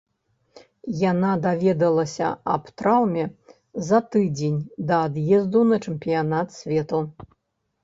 Яна даведалася аб траўме за тыдзень да ад'езду на чэмпіянат свету.